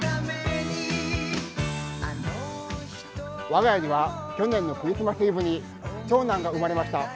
我が家には去年のクリスマスイブに長男が生まれました。